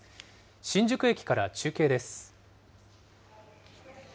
新宿駅から中継です。